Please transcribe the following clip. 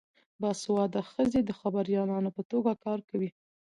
باسواده ښځې د خبریالانو په توګه کار کوي.